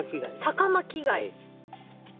サカマキガイ。